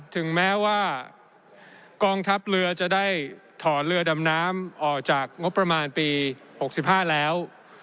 ถึงแม้ว่ากองทัพเรือจะได้ถอนเรือดำน้ำออกจากงบประมาณปี๖๕แล้ว